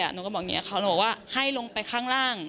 หนูก็บอกอย่างนี้หนูบอกว่าให้ลงไปข้างล่าง